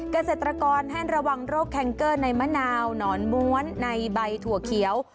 เกษตรกรให้ระวังโรคแคงเกอร์ในมะนาวหนอนม้วนในใบถั่วเขียว